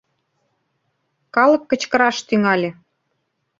Калык кычкыраш тӱҥале: